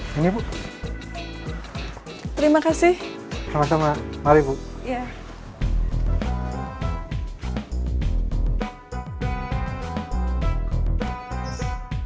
diego berikan aku ide kalau dia ada kasus